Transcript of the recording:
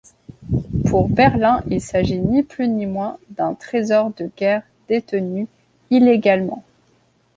Pour Berlin, il s'agit ni plus ni moins d'un trésor de guerre détenu illégalement.